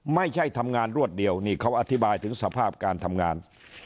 ไม่ใช่ทำงานรวดเดียวนี่เขาอธิบายถึงสภาพการทำงาน